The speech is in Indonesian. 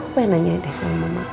aku pengen nanya deh sama mama